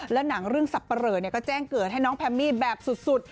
และหนังเรื่องสับปะเหลอก็แจ้งเกิดให้น้องแพมมี่แบบสุด